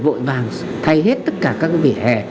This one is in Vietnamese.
vội vàng thay hết tất cả các vỉa hè